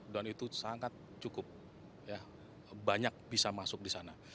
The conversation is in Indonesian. dan itu sangat cukup banyak bisa masuk di sana